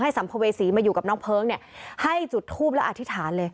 สัมภเวษีมาอยู่กับน้องเพลิงเนี่ยให้จุดทูปแล้วอธิษฐานเลย